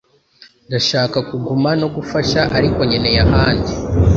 Ndashaka kuguma no gufasha, ariko nkeneye ahandi.